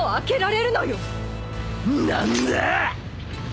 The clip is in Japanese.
何だ！？